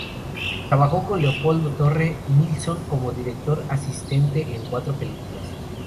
Trabajó con Leopoldo Torre Nilsson como director asistente en cuatro películas.